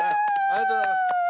ありがとうございます。